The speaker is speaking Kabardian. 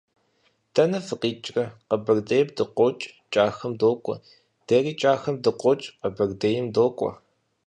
- Дэнэ фыкъикӀрэ? - Къэбэрдейм дыкъокӀ, КӀахэм докӀуэ. - Дэри КӀахэм дыкъокӀ, Къэбэрдейм докӀуэ.